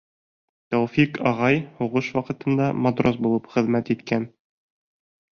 Тәүфиҡ ағай һуғыш ваҡытында матрос булып хеҙмәт иткән.